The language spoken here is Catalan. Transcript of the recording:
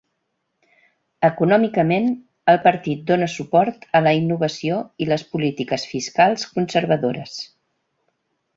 Econòmicament, el partit dóna suport a la innovació i les polítiques fiscals conservadores.